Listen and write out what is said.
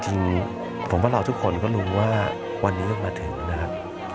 จริงผมว่าเราทุกคนก็รู้ว่าวันนี้มาถึงนะครับ